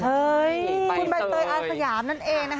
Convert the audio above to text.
คุณเบไตเตยอาร์ไสยามนั่นเอง